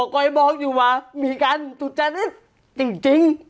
ค่ะเพราะมีการสุภาษณ์จริง